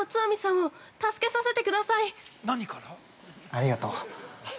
◆ありがとう。